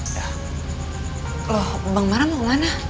loh bang mara mau kemana